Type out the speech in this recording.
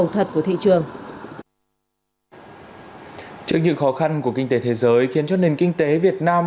trước những khó khăn của kinh tế thế giới khiến cho nền kinh tế việt nam